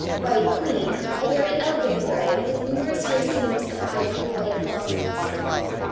White Queen, a very elegant variety with numerous racemes of ivory white blossoms.